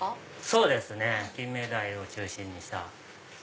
そうですねキンメダイを中心にした。